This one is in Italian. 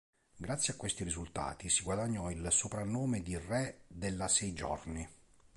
Grazie a questi risultati si guadagnò il soprannome di "Re della Sei giorni".